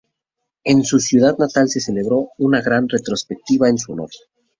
En su ciudad natal se celebró una gran retrospectiva en su honor.